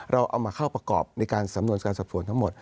เราเอามาเข้าประกอบในการสำนวนการสอบสวนทั้งหมด